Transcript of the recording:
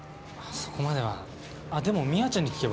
そこまではあでも美亜ちゃんに聞けば。